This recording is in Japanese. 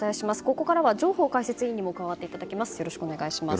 ここからは上法解説委員にも加わっていただきます。